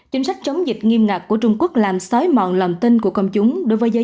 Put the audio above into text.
chính sách chống dịch nghiêm ngặt của trung quốc làm sói mòn lòng tin của công chúng đối với giới